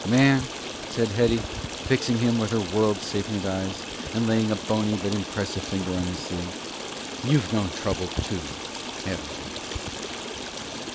"Man," said Hetty, fixing him with her world sapient eyes, and laying a bony but impressive finger on his sleeve, "you've known trouble, too, haven't you?"